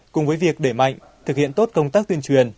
cùng với việc để mạnh thực hiện tốt công tác tuyên truyền